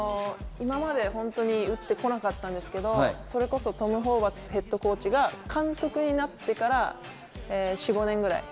今まで打ってこなかったんですけれども、それこそトム・ホーバスヘッドコーチが監督になってから４、５年くらい。